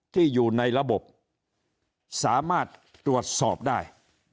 ที่อยู่ในระบบสามารถตรวจสอบได้